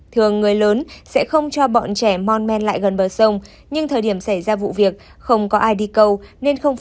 thường người lớn sẽ không cho bọn trẻ mon men lại gần bờ sông nhưng thời điểm xảy ra vụ việc không có ai đi câu